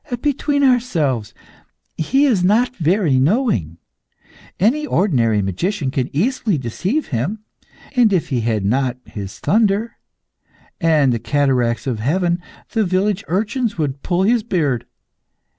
Between ourselves, He is not very knowing. Any ordinary magician can easily deceive Him, and if He had not His thunder, and the cataracts of heaven, the village urchins would pull His beard.